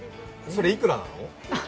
それいくらなの？